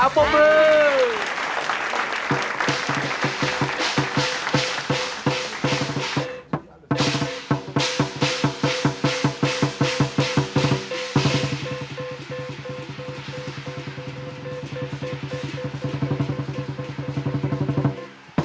เอาพวกมือ